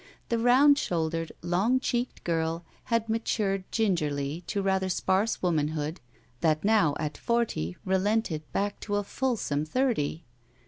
The round shouldered, long cheeked girl had matured gingerly to rather sparse womanhood that now at forty relented back to a fulsome thirty.